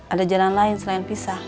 ada jalan lain selain pisah